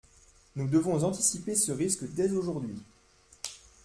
Nous devons anticiper ce risque dès aujourd’hui.